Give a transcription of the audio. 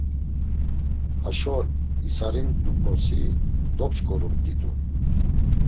Haşo isarinduǩosi dopşǩorumt̆itu.